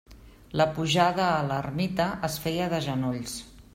La pujada a l'ermita es feia de genolls.